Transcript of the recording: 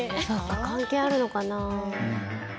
関係あるのかな？